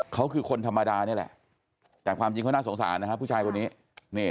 เขาคือคนธรรมดานี่แหละแต่ความจริงเขาน่าสงสารนะครับผู้ชายคนนี้